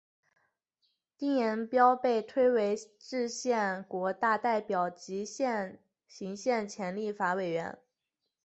丁廷标被推为制宪国大代表及行宪前立法委员。